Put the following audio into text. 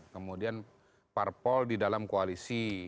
kemudian parpol di dalam koalisi